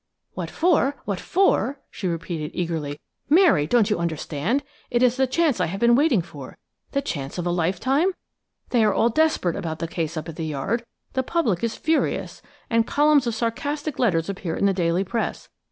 "What for–what for?" she repeated eagerly. "Mary, don't you understand? It is the chance I have been waiting for–the chance of a lifetime? They are all desperate about the case up at the Yard; the public is furious, and columns of sarcastic letters appear in the daily press.